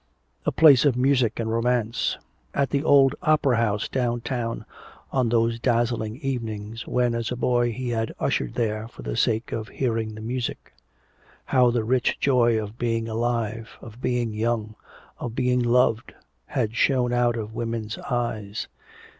A place of music and romance. At the old opera house downtown, on those dazzling evenings when as a boy he had ushered there for the sake of hearing the music, how the rich joy of being alive, of being young, of being loved, had shone out of women's eyes.